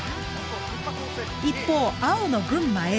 一方青の群馬Ａ